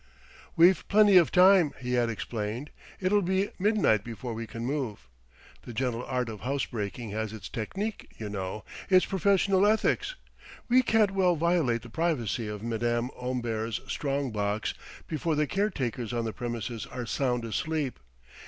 "We've plenty of time," he had explained; "it'll be midnight before we can move. The gentle art of house breaking has its technique, you know, its professional ethics: we can't well violate the privacy of Madame Omber's strong box before the caretakers on the premises are sound asleep.